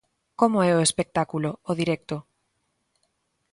Como é o espectáculo, o directo?